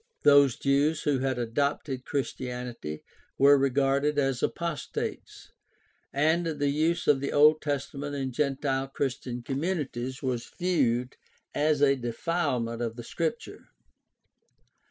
Those Jews who had adopted Chris tianity were regarded as apostates, and the use of the Old Testament in gentile Christian communities was viewed as a defilement of the Scripture.